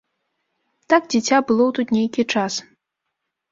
Так дзіця было тут нейкі час.